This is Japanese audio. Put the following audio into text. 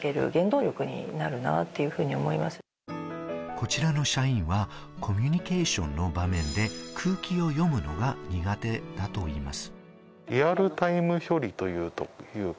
こちらの社員はコミュニケーションの場面で空気を読むのが苦手だといいます。